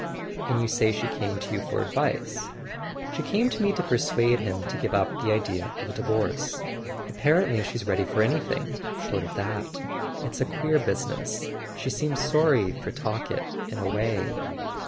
"And you say she came to you for advice?" "She came to me to persuade him to give up the idea of a divorce. Apparently she's ready for anything short of that. It's a queer business. She seems sorry for Talkett in a way."